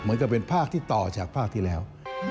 เหมือนกับเป็นภาคที่ต่อจากภาคที่แล้ว